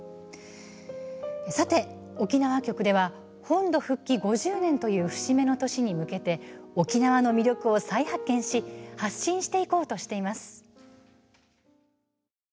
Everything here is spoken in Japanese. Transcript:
さて、沖縄局では本土復帰５０年という節目の年に向けて沖縄の魅力を再発見し発信していこうとしています。